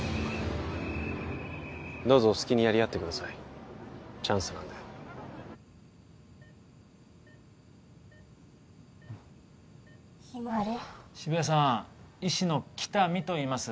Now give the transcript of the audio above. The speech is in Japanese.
どうぞお好きにやり合ってくださいチャンスなんで日葵渋谷さん医師の喜多見といいます